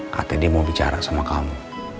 kata dia mau bicara sama kamu